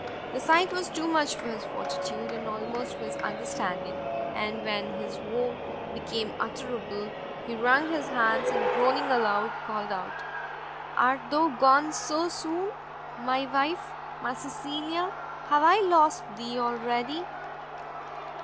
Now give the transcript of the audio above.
the sight was too much for his fortitude, and almost for his understanding; and when his woe became utterable, he wrung his hands, and groaning aloud, called out, "Art thou gone so soon! my wife! my Cecilia! have I lost thee already?"